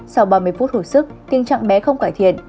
sau ba mươi phút hồi sức tình trạng bé không cải thiện